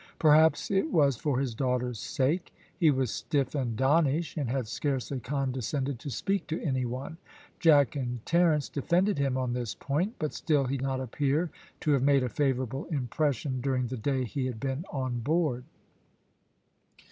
Perhaps it was for his daughter's sake. He was stiff and donnish, and had scarcely condescended to speak to any one. Jack and Terence defended him on this point, but still he did not appear to have made a favourable impression during the day he had been on board.